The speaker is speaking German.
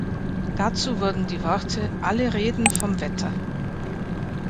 Dazu wurden die Worte „Alle reden vom Wetter.